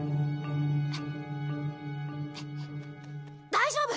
大丈夫！